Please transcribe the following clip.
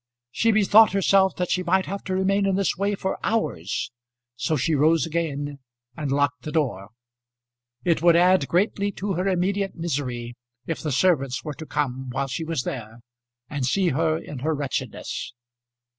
She bethought herself that she might have to remain in this way for hours, so she rose again and locked the door. It would add greatly to her immediate misery if the servants were to come while she was there, and see her in her wretchedness.